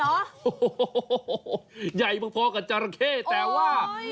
โอ้โหใหญ่พอกับจราเข้แต่ว่า